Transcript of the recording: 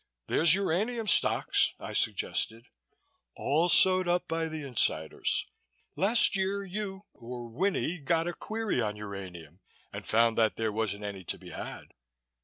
"There's uranium stocks," I suggested. "All sewed up by the insiders. Last year you or Winnie got a query on uranium and found that there wasn't any to be had."